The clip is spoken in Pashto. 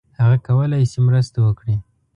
هغه کولای شي مرسته وکړي.